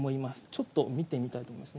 ちょっと見てみたいと思います。